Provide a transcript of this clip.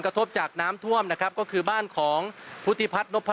กระทบจากน้ำท่วมนะครับก็คือบ้านของพุทธิพัฒนพั